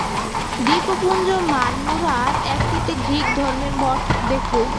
দ্বীপপুঞ্জ মারমোরার একটিতে গ্রীক ধর্মের মঠ দেখলুম।